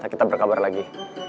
nanti kita berkabar lagi